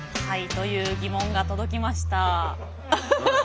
はいというギモンが届きました。